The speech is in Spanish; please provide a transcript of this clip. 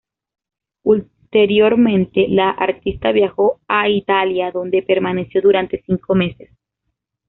Ulteriormente, la artista viajó a Italia, donde permaneció durante cinco meses.